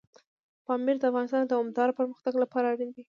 پامیر د افغانستان د دوامداره پرمختګ لپاره اړین دي.